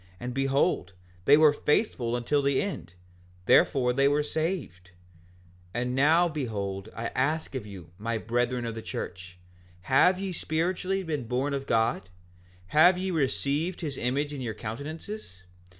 And behold, they were faithful until the end; therefore they were saved. 5:14 And now behold, I ask of you, my brethren of the church, have ye spiritually been born of God? Have ye received his image in your countenances?